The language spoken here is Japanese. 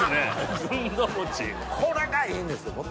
これがいいんですよ！